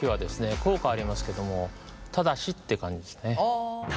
効果ありますけどもただしって感じですね。